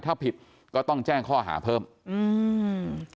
ถ้าผิดก็ต้องแจ้งข้อหาเพิ่มอืม